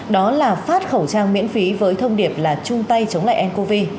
đó là phát khẩu trang miễn phí với thông điệp là chung tay chống lại ncov